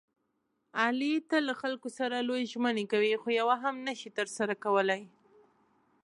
علي تل له خلکو سره لویې ژمنې کوي، خویوه هم نشي ترسره کولی.